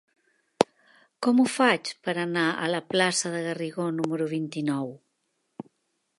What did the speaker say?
Com ho faig per anar a la plaça de Garrigó número vint-i-nou?